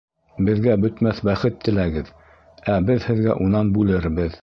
Беҙгә бөтмәҫ бәхет теләгеҙ, ә беҙ һеҙгә унан бүлербеҙ.